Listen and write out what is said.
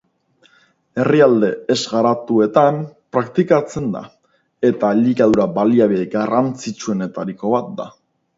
Herrialde ez-garatuetan praktikatzen da, eta elikadura-baliabide garrantzitsuenetariko bat da.